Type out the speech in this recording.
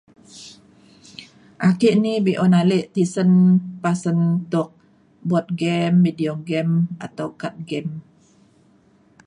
ake ni be’un ale tisen pasen tuk board game video game atau card game